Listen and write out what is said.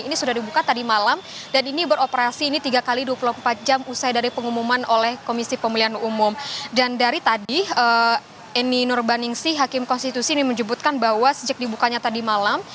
ini sudah dibuka tadi malam dan ini beroperasi ini tiga x dua puluh empat jam usai dari pengumuman oleh komisi pemilihan umum dan dari tadi eni nurbaningsi hakim konstitusi ini menyebutkan bahwa sejak dibukanya tadi malam